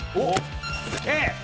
Ａ。